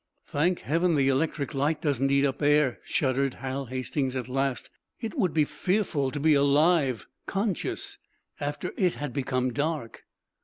"Thank heaven the electric light doesn't eat up air," shuddered Hal Hastings, at last. "It would be fearful to be alive conscious after it had become dark!"